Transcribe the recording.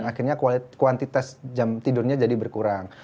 akhirnya kuantitas jam tidurnya jadi berkurang